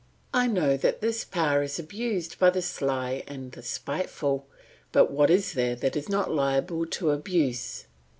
I know that this power is abused by the sly and the spiteful; but what is there that is not liable to abuse?